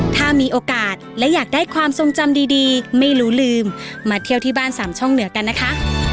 ถ้ามีโอกาสและอยากได้ความทรงจำดีไม่รู้ลืมมาเที่ยวที่บ้านสามช่องเหนือกันนะคะ